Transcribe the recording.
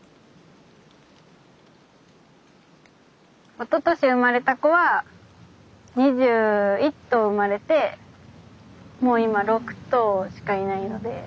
おととし生まれた子は２１頭生まれてもう今６頭しかいないので。